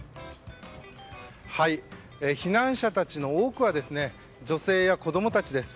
避難者たちの多くは女性や子供たちです。